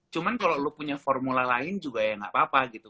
cuman kalau lo punya formula lain juga ya nggak apa apa gitu